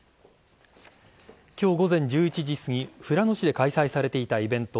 今日午前１１時すぎ富良野市で開催されていたイベント